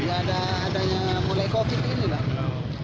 ada yang mulai covid ini